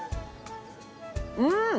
うん！